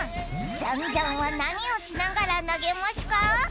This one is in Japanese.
ジャンジャンはなにをしながらなげましゅか？